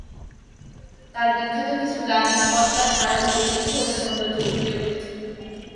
তার বিখ্যাত কিছু গানে পদ্মার হারানো ঐতিহ্য ও সৌন্দর্য্য ফুটে উঠেছে।